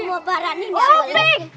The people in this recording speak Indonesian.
mau parah nih gak boleh